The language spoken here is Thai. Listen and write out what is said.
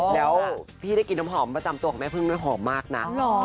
แล้วพี่ได้กินน้ำหอมประจำตัวของแม่พึ่งด้วยหอมมากนะ